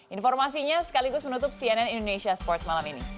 informasinya sekaligus menutup cnn indonesia sports malam ini